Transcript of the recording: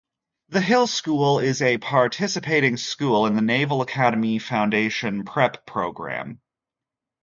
The Hill School is a participating school in the Naval Academy Foundation Prep Program.